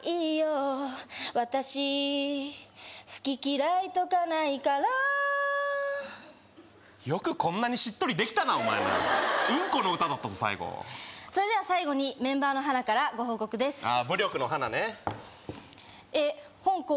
私好き嫌いとかないからよくこんなにしっとりできたなお前ウンコの歌だったぞ最後それでは最後にメンバーのハナからご報告ですああー